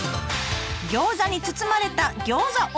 餃子に包まれた餃子女。